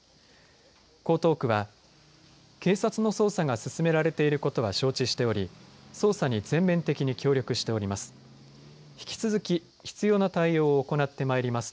江東区は警察の捜査が進められていることは承知しており捜査に全面的に協力しております。